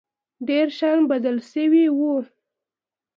ډېر شيان بدل سوي وو.